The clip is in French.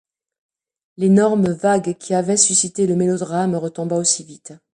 L’énorme vague qu’avait suscitée le mélodrame retomba aussi vite.